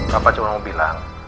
bapak cuma mau bilang